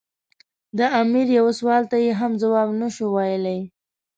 د امیر یوه سوال ته یې هم ځواب نه شو ویلای.